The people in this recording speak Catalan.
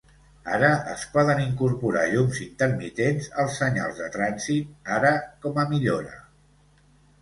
Ara es poden incorporar llums intermitents als senyals de trànsit ara com a millora.